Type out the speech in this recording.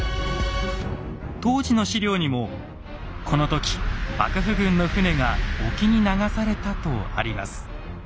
当時の史料にも「この時幕府軍の船が沖に流された」とあります。